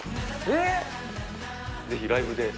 ぜひライブで。